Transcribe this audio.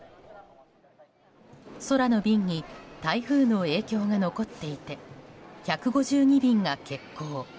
空の便に台風の影響が残っていて１５２便が欠航。